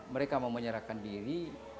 mereka mau menyerahkan diri